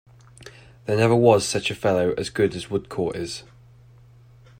There never was such a good fellow as Woodcourt is.